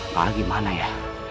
pak gimana ya